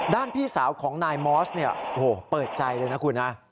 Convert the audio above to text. พี่สาวของนายมอสเนี่ยโอ้โหเปิดใจเลยนะคุณนะ